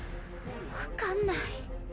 分かんない。